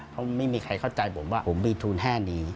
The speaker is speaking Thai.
เพราะไม่มีใครเข้าใจผมว่าผมมีทุนแค่นี้